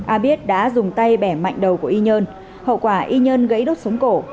a biết đã dùng tay bẻ mạnh đầu của y nhân hậu quả y nhân gãy đốt sống cổ